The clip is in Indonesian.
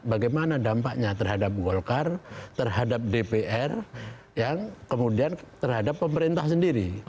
bagaimana dampaknya terhadap golkar terhadap dpr yang kemudian terhadap pemerintah sendiri